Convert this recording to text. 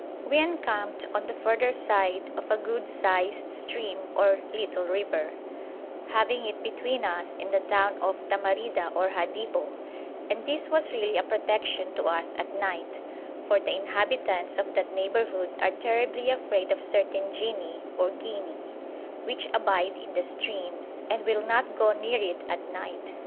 We encamped on the further side of a good sized stream or little river, having it between us and the town of Tamarida or Hadibo; and this was really a protection to us at night, for the inhabitants of that neighbourhood are terribly afraid of certain jinni or ghinni, which abide in the stream, and will not go near it at night.